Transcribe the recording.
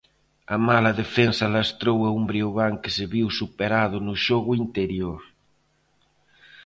A mala defensa lastrou a un Breogán que se viu superado no xogo interior.